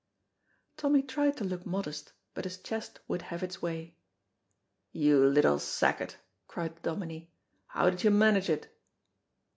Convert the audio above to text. Tommy tried to look modest, but his chest would have its way. "You little sacket," cried the Dominie, "how did you manage it?"